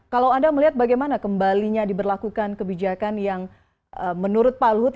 kalau anda melihat bagaimana kembalinya diberlakukan kebijakan yang menurut pak luhut